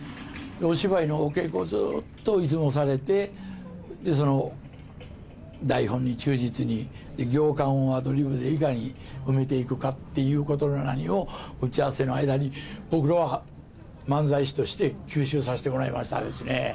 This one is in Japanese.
お芝居のお稽古をずっと、いつもされて、台本に忠実に、行間をアドリブで、いかに埋めていくかっていうことの何を打ち合わせの間に、僕らは漫才師として吸収させてもらいましたですね。